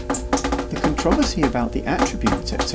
The controversy about the attributes, &c.